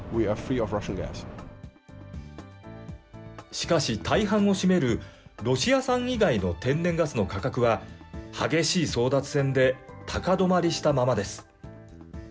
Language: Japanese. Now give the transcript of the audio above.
しかし、大半を占めるロシア産以外の天然ガスの価格は、激しい争奪戦で高止まりしたままです。